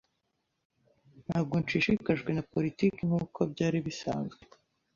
Ntabwo nshishikajwe na politiki nkuko byari bisanzwe.